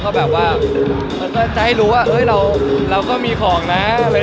เจ้าจะให้รู้ว่าเรามีของแล้ว